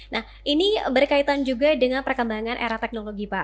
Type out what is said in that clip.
nah ini berkaitan juga dengan perkembangan era teknologi pak